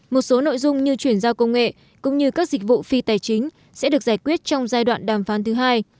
một số nội dung như chuyển giao công nghệ cũng như các dịch vụ phi tài chính sẽ được giải quyết trong giai đoạn đàm phán thứ hai